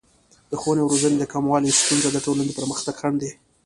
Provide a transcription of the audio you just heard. د ښوونې او روزنې د کموالي ستونزه د ټولنې د پرمختګ خنډ دی.